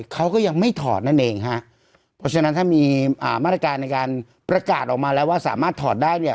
เขาก็ยังไม่ถอดนั่นเองฮะเพราะฉะนั้นถ้ามีอ่ามาตรการในการประกาศออกมาแล้วว่าสามารถถอดได้เนี่ย